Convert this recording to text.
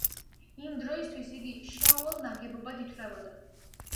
იმ დროისთვის, იგი შეუვალ ნაგებობად ითვლებოდა.